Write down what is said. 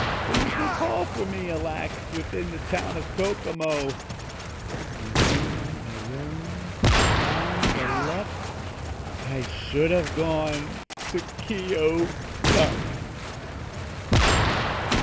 There was no call for me, alack! Within the town of Kokomo. And then I learned, confound the luck, I should have gone to Keokuk!